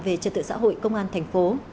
về trật tựa xã hội công an thành phố